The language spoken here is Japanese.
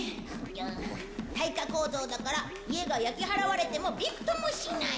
耐火構造だから家が焼き払われてもびくともしない。